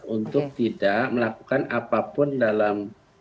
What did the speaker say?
untuk tidak melakukan apapun dalam